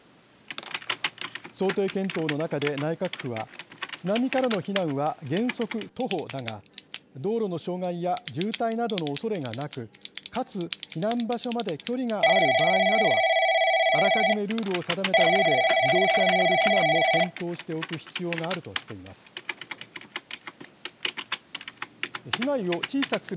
想定検討の中で内閣府は「津波からの避難は原則徒歩だが道路の障害や渋滞などのおそれがなくかつ避難場所まで距離がある場合などはあらかじめルールを定めたうえで自動車による避難も検討しておく必要がある」としています。